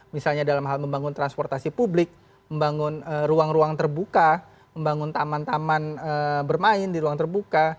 misalnya dalam hal membangun transportasi publik membangun ruang ruang terbuka membangun taman taman bermain di ruang terbuka